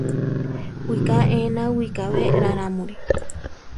Wiká éena, wikábe rarámuri.